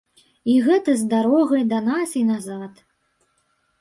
І гэта з дарогай да нас і назад!